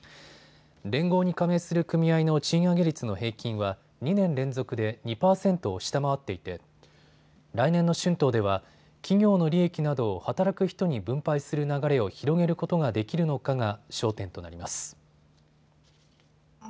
連合に加盟する組合の賃上げ率の平均は２年連続で２％を下回っていて来年の春闘では企業の利益などを働く人に分配する流れを広げることができるのかが焦点となります。